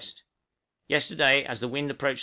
Yesterday, as the wind approached S.